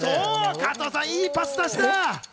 加藤さん、いいパス出した。